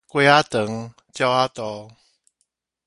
雞仔腸，鳥仔肚